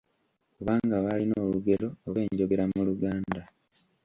Kubanga baalina olugero oba enjogera mu Luganda.